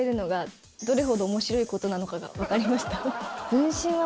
分身は。